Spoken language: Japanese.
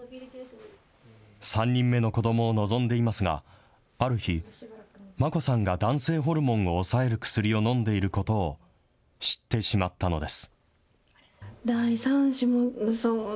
３人目の子どもを望んでいますが、ある日、マコさんが男性ホルモンを抑える薬を飲んでいることを知ってしまったのです。